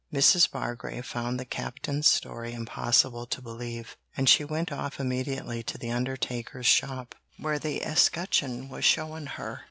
Mrs. Bargrave found the Captain's story impossible to believe, and she went off immediately to the undertaker's shop, where the 'escutcheon' was shown her.